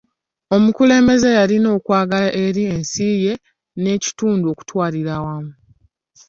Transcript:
Omukulembeze yalina okwagala eri ensi ye n'ekitundu okutwalira awamu.